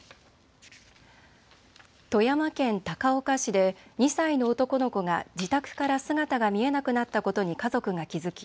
富山県高岡市で２歳の男の子が自宅から姿が見えなくなったことに家族が気付き